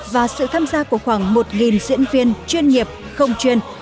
và sự tham gia của khoảng một diễn viên chuyên nghiệp không chuyên